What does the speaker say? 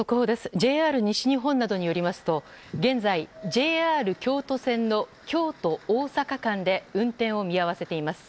ＪＲ西日本などによりますと現在、ＪＲ京都線の京都大阪間で運転を見合わせています。